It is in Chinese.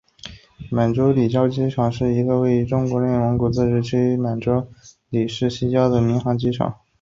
满洲里西郊机场是一个位于中国内蒙古自治区满洲里市西郊的民航机场。